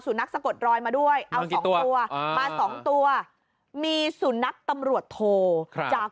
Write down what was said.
สู่นักสะกดรอยมาด้วยเอา๒ตัวมา๒ตัวมีสู่นักตำรวจโทจาก